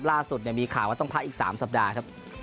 ล่าสุดมีข่าวว่าต้องพักอีก๓สัปดาห์ครับ